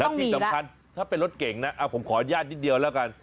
ที่สำคัญถ้าเป็นรถเก่งนะผมขออนุญาตนิดเดียวแล้วกัน